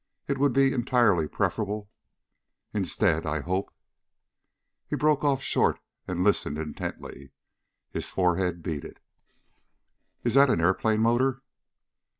It would be entirely preferable. Instead, I hope " He broke off short and listened intently. His forehead beaded. "Is that an airplane motor?"